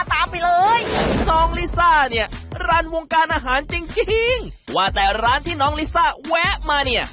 ตามไปเลยน้องลิซ่าเนี่ยรันวงการอาหารจริงจริงว่าแต่ร้านที่น้องลิซ่าแวะมาเนี่ย